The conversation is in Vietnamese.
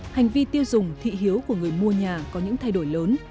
hành vi tiêu dùng thị hiếu của người mua nhà có những thay đổi lớn